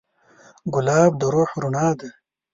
ګلاب د روح رڼا ده.